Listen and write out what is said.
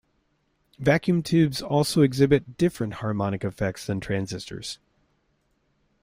Vacuum tubes also exhibit different harmonic effects than transistors.